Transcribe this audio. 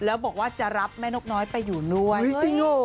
แล้วบอกว่าจะรับแม่นกน้อยไปอยู่ด้วย